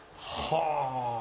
はあ。